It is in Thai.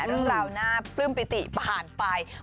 เรื่องราวน่าปลื้มปิติผ่านไป